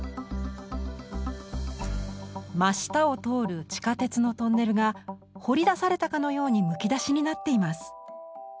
真下を通る地下鉄のトンネルが掘り出されたかのようにむき出しになっています。